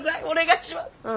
お願いします。